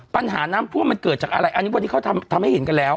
ปัญหาน้ำท่วมมันเกิดจากอะไรอันนี้วันนี้เขาทำให้เห็นกันแล้ว